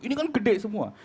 ini kan besar semua